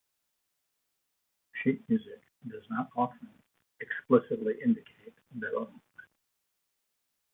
Sheet music does not often explicitly indicate "Bebung".